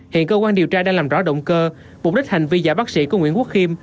hiện cơ quan điều tra đã làm rõ động cơ mục đích hành vi giả bác sĩ của nguyễn quốc khiêm